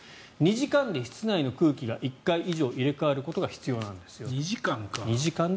２時間で室内の空気が１回以上入れ替わることが必要なんですよ。